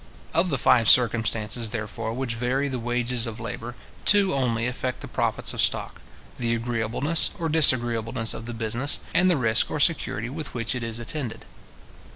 Of the five circumstances, therefore, which vary the wages of labour, two only affect the profits of stock; the agreeableness or disagreeableness of the business, and the risk or security with which it is attended.